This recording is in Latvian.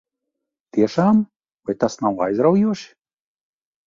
Tiešām? Vai tas nav aizraujoši?